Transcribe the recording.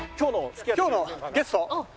今日のゲスト。